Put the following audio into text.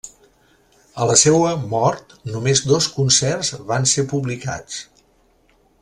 A la seua mort, només dos concerts van ser publicats.